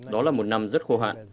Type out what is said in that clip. đó là một năm rất khô hạn